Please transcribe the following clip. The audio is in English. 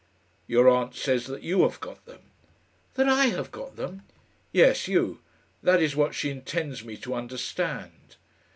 "Your aunt says that you have got them." "That I have got them?" "Yes, you. That is what she intends me to understand."